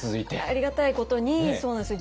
ありがたいことにそうなんですよ。